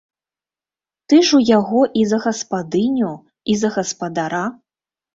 Ты ж у яго і за гаспадыню і за гаспадара!